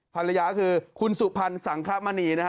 ภรรยาคือคุณสุพรรณสังคมณีนะฮะ